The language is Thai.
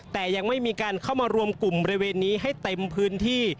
แต่ยังไม่มีการเข้ามารวมกลุ่มบริเวณนี้ให้เต็มพื้นที่